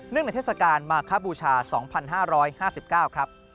ในเทศกาลมาคบูชา๒๕๕๙ครับ